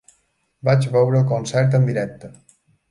Vaig veure el concert en directe.